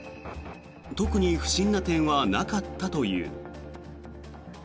特に不審な点はなかったという。